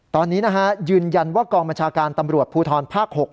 ตอนนี้นะฮะยืนยันว่ากองบัญชาการตำรวจภูทรภาค๖